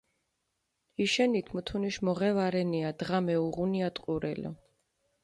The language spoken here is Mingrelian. იშენით მუთუნიშ მოღე ვარენია, დღა მეუღუნია ტყურელო.